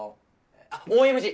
あっＯＭＧ！